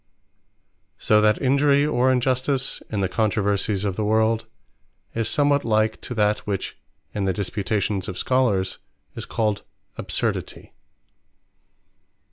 So that Injury, or Injustice, in the controversies of the world, is somewhat like to that, which in the disputations of Scholers is called Absurdity.